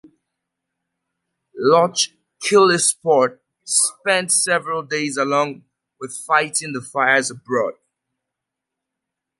"Loch Killisport" spent several days - along with - fighting the fires aboard.